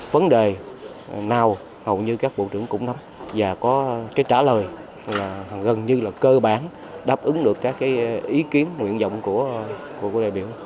vấn đề nào hầu như các bộ trưởng cũng nắm và có cái trả lời gần như là cơ bản đáp ứng được các ý kiến nguyện vọng của đại biểu